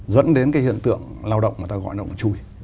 dẫn đến cái hiện tượng lao động mà ta gọi là lao động chui